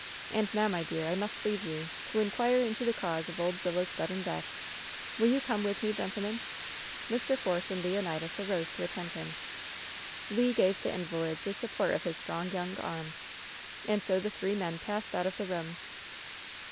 And now, my dear, I must leave you, to inquire into the cause of Old Zillah's sudden death. Will you come with me, gentlemen?" Mr. Force and Leonidas arose to attend him, Le gave the invalid the support of his strong young arm. 89« LOVERS BITTEREST CUP And 80 the tliree men passed out of the room.